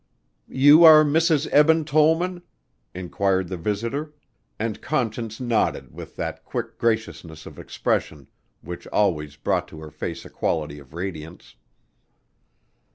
"You are Mrs. Eben Tollman?" inquired the visitor and Conscience nodded with that quick graciousness of expression which always brought to her face a quality of radiance.